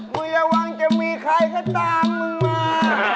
อย่าหวังจะมีใครก็ตามมึงมา